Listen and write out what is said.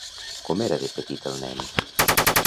Com era de petit el nen?